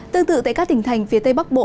tương tự tại các tỉnh thành phía tây bắc bộ